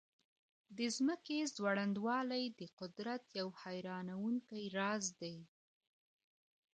د ځمکې ځوړندوالی د قدرت یو حیرانونکی راز دی.